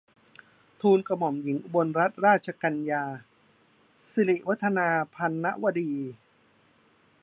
ทูลกระหม่อมหญิงอุบลรัตนราชกัญญา สิริวัฒนาพรรณวดี